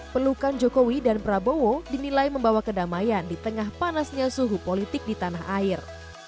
pelukan jokowi dan prabowo dinilai membawa kedamaian di tengah panasnya suhu politik di tanah air